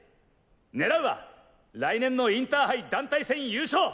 狙うは来年のインターハイ団体戦優勝！